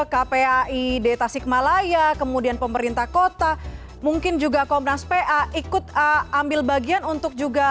kpai di tasikmalaya kemudian pemerintah kota mungkin juga komnas pa ikut ambil bagian untuk juga